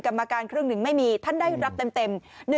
กรรมการครึ่งหนึ่งไม่มีท่านได้รับเต็ม